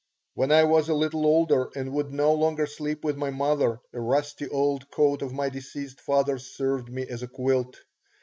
When I was a little older and would no longer sleep with my mother, a rusty old coat of my deceased father's served me as a quilt.